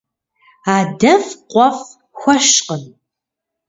Адэфӏ къуэфӏ хуэщкъым.